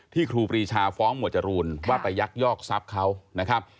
ครูปรีชาฟ้องหมวดจรูนว่าไปยักยอกทรัพย์เขานะครับ